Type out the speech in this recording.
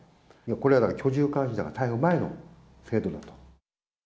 これはだから居住監視だから、逮捕前の制度なんだと。